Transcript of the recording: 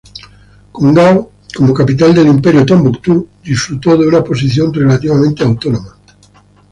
Con Gao como capital del imperio, Tombuctú disfrutó de una posición relativamente autónoma.